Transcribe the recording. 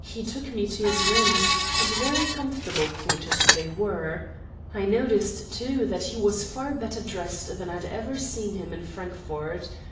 He took me to his rooms, and very comfortable quarters they were. I noticed, too, that he was far better dressed than I had ever seen him in Frankfort.